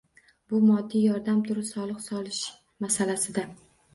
Bu moddiy yordam turi soliq solish masalasida